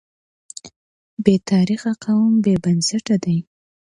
بې تاریخه قوم بې بنسټه دی.